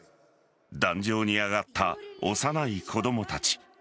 檀上に上がった幼い子供たち。